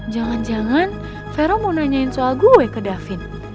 jangan jangan vero mau nanyain soal gue ke davin